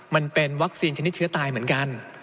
มันเป็นวัคซีนชนิดเชื้อตายเหมือนกัน